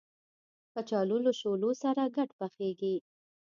کچالو له شولو سره ګډ پخېږي